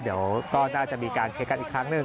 เดี๋ยวก็น่าจะมีการเช็คกันอีกครั้งหนึ่ง